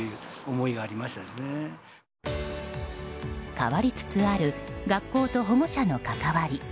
変わりつつある学校と保護者の関わり。